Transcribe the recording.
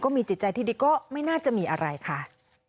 มีจิตใจที่ดีก็ไม่น่าจะมีอะไรค่ะ